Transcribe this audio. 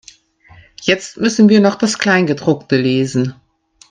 Jetzt müssen wir noch das Kleingedruckte lesen.